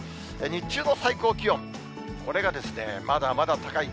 日中の最高気温、これがまだまだ高い。